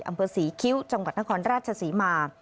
อำเภอศรีคิ้วจังหวัดนครราชศรีมา